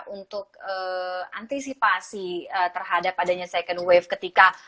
untuk antisipasi terhadap adanya second wave ketika